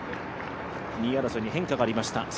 ２位争いに変化がありました